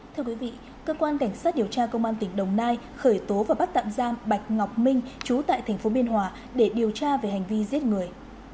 theo quý vị cơ quan cảnh sát điều tra công an tỉnh đồng nai khởi tố và bắt tạm giam bạch ngọc minh chú tại thành phố biên hòa để điều tra về hành vi giết người